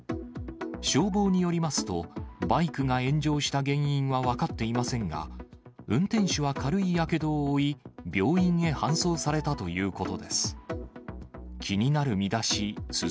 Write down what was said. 消防によりますと、バイクが炎上した原因は分かっていませんが、運転手は軽いやけどを負い、病院へ搬送されたということです。